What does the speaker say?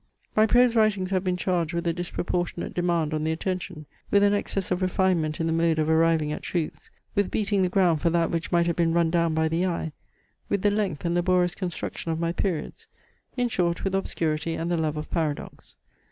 My prose writings have been charged with a disproportionate demand on the attention; with an excess of refinement in the mode of arriving at truths; with beating the ground for that which might have been run down by the eye; with the length and laborious construction of my periods; in short with obscurity and the love of paradox.